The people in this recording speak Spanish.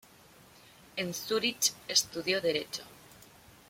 En Zúrich estudió derecho.